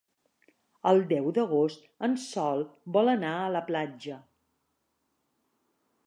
El deu d'agost en Sol vol anar a la platja.